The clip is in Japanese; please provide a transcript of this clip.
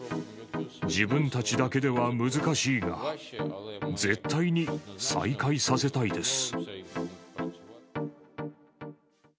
自分たちだけでは難しいが、絶対に再開させたいです。